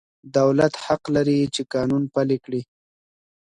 دولت حق لري چي قانون پلي کړي.